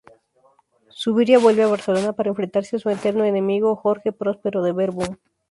Zuviría vuelve a Barcelona para enfrentarse a su eterno enemigo Jorge Próspero de Verboom.